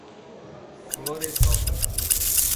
Florestópolis